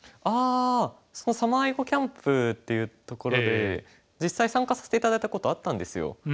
ああサマー碁キャンプっていうところで実際参加させて頂いたことあったんですよ